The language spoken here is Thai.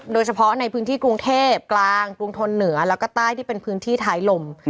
โดยเฉพาะในพื้นที่กรุงเทพกลางกรุงทนเหนือแล้วก็ใต้ที่เป็นพื้นที่ท้ายลม